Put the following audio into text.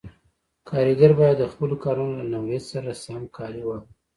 کاریګر باید د خپلو کارونو له نوعیت سره سم کالي واغوندي.